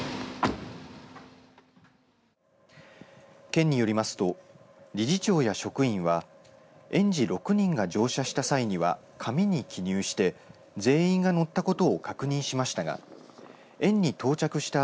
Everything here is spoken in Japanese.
県によりますと理事長や職員は園児６人が乗車した際には紙に記入して全員が乗ったことを確認しましたが園に到着した